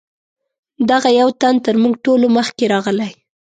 دغه یو تن تر موږ ټولو مخکې راغلی.